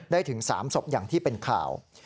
ถึง๓ศพอย่างที่เป็นข่าว